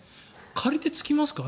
借り手つきますか？